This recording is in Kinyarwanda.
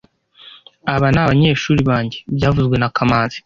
Aba ni abanyeshuri banjye byavuzwe na kamanzi